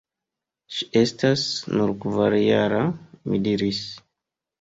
Ŝi estas nur kvarjara – mi diris.